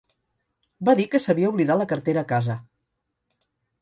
Va dir que s'havia oblidat la cartera a casa.